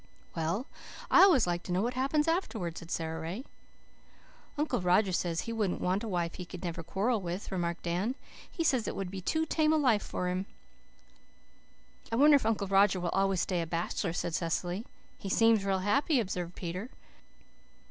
"Well, I always like to know what happens afterwards," said Sara Ray. "Uncle Roger says he wouldn't want a wife he could never quarrel with," remarked Dan. "He says it would be too tame a life for him." "I wonder if Uncle Roger will always stay a bachelor," said Cecily. "He seems real happy," observed Peter.